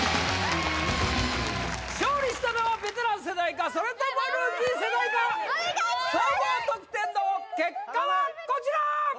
勝利したのはベテラン世代かそれともルーキー世代か総合得点の結果はこちら！